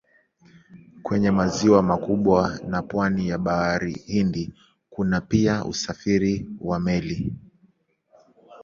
Kwenye maziwa makubwa na pwani ya Bahari Hindi kuna pia usafiri wa meli.